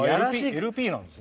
ＬＰなんですね。